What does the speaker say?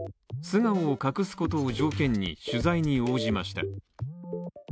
素顔を隠すことを条件に取材に応じました。